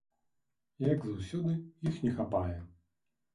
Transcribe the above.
Як заўсёды, іх не хапае.